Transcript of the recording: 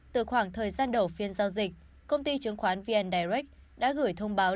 từ khoảng thời gian đầu phiên giao dịch công ty chứng khoán vn direct đã gửi thông báo